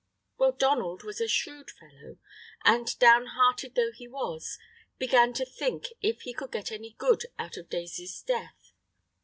Well, Donald was a shrewd fellow, and, downhearted though he was, began to think if he could get any good out of Daisy's death.